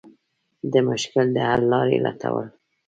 د مشکل د حل لارې لټول.